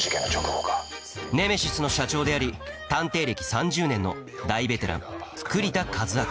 ネメシスの社長であり探偵歴３０年の大ベテラン